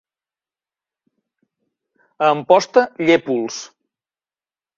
A Amposta, llépols.